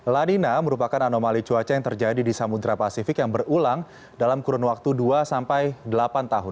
lanina merupakan anomali cuaca yang terjadi di samudera pasifik yang berulang dalam kurun waktu dua sampai delapan tahun